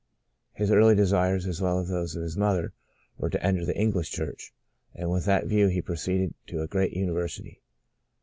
His early de sires, as well as those of his mother, were to enter the English Church, and with that view he proceeded to a great university.